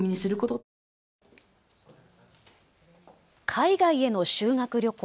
海外への修学旅行。